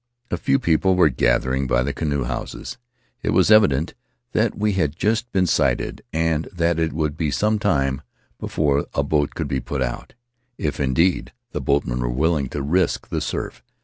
A few people were gathering by the canoe houses; it was evident that we had just been sighted, and that it would be some time before a boat could put out, if, indeed, the boatmen were willing to risk the surf.